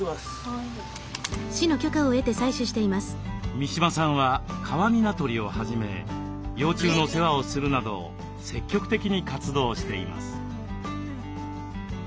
三嶋さんはカワニナ取りをはじめ幼虫の世話をするなど積極的に活動しています。